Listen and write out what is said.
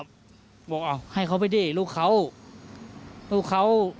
บอกว่าแฟนผมจะมาอยู่ด้วยนะ